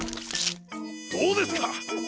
どうですか！